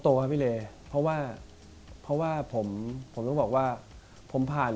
ครับพี่เลเพราะว่าเพราะว่าผมผมต้องบอกว่าผมผ่าน